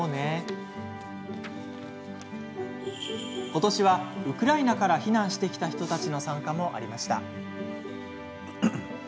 ことしは、ウクライナから避難してきた人たちの参加もありました。